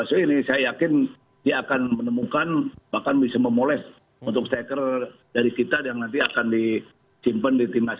mungkin satu dua hari ini setelah isyarat kita akan lakukan zoom meeting